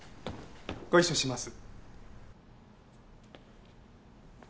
ご一緒します。